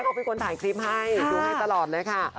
ก็มีคนถ่ายคลิปให้เนอร์คอ์นเลยค่ะ